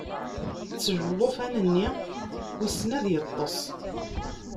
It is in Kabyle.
Ttel llufan-nni wissen ad yeṭṭes.